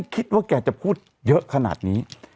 แกจะพูดเยอะขนาดนี้